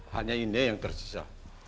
hanya ini yang tersisa